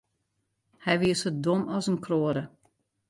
Hy wie sa dom as in kroade.